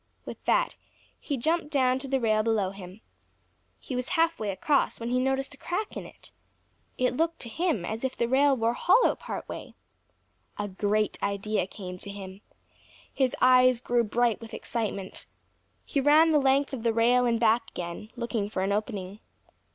With that he jumped down to the rail below him. He was half way across when he noticed a crack in it. It looked to him as if that rail were hollow part way. A great idea came to him. His eyes grew bright with excitement. He ran the length of the rail and back again, looking for an opening.